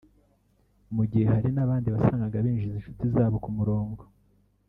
mu gihe hari n’abandi wasangaga binjiza inshuti zabo ku murongo